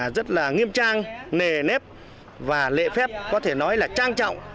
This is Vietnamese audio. rất là nghiêm trang nề nếp và lệ phép có thể nói là trang trọng